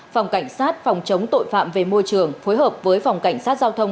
phòng cảnh sát phòng chống tội phạm về môi trường phối hợp với phòng cảnh sát giao thông